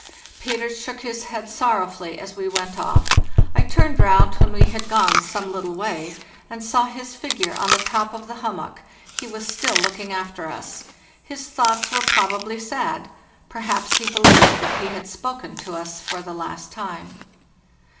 Peter shook his head sorrowfully as we went off. I turned round when we had gone some little way, and saw his figure on the top of the hummock; he was still looking after us. His thoughts were probably sad; perhaps he believed that he had spoken to us for the last time.